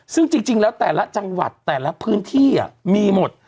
ซึ่งจริงแล้วแต่ละจังหวัดแต่ละพื้นที่มีหมด